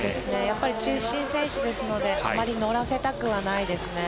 中心選手ですのであまり乗らせたくはないですね。